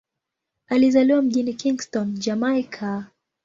Alizaliwa mjini Kingston, Jamaika.